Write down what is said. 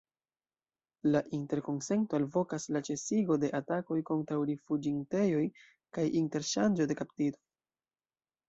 La interkonsento alvokas al ĉesigo de atakoj kontraŭ rifuĝintejoj kaj interŝanĝo de kaptitoj.